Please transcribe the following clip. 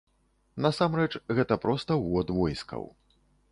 Насамрэч, гэта проста ўвод войскаў.